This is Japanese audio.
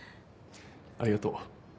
ありがとう。